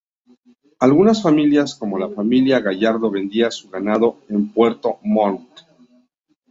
Algunas Familias, como la familia Gallardo vendía su ganado en Puerto Montt.